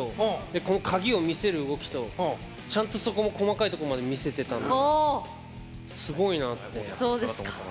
この鍵を見せる動きとちゃんと細かいところまで見せていたので、すごいなって。